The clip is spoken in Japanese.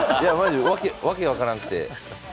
わけ分からんくて。